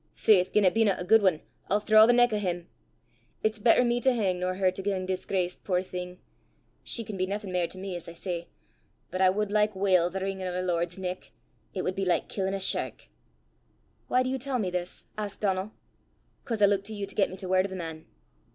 Faith, gien it bena a guid ane, I'll thraw the neck o' 'im! It's better me to hang, nor her to gang disgraced, puir thing! She can be naething mair to me, as I say; but I wud like weel the wringin' o' a lord's neck! It wud be like killin' a shark!" "Why do you tell me this?" asked Donal. "'Cause I look to you to get me to word o' the man."